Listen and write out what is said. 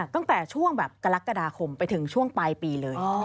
ตั้งแต่ช่วงแบบกรกฎาคมไปถึงช่วงปลายปีเลย